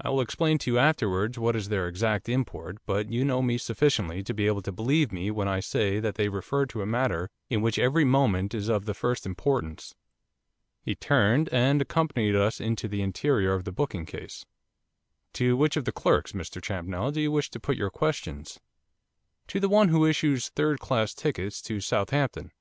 I will explain to you afterwards what is their exact import, but you know me sufficiently to be able to believe me when I say that they refer to a matter in which every moment is of the first importance.' He turned and accompanied us into the interior of the booking case. 'To which of the clerks, Mr Champnell, do you wish to put your questions?' 'To the one who issues third class tickets to Southampton.